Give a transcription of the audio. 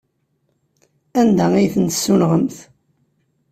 Anda ay ten-tessunɣemt?